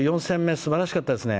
すばらしかったですね。